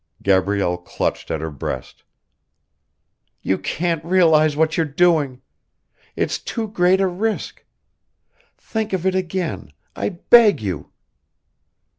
Gabrielle clutched at her breast. "You can't realise what you're doing! It's too great a risk. Think of it again ... I beg you!"